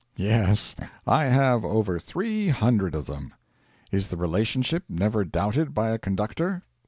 'Yes. I have over three hundred of them.' 'Is the relationship never doubted by a conductor?'